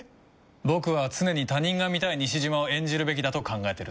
僕は常に他人が見たい西島を演じるべきだと考えてるんだ。